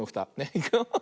いくよ。